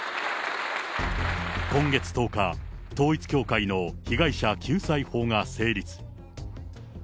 今月１０日、統一教会の被害者救済法が成立。